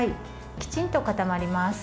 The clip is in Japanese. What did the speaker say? きちんと固まります。